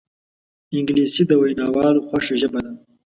انګلیسي د ویناوالو خوښه ژبه ده